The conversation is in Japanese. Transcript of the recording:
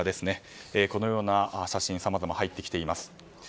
このような写真さまざま入ってきています。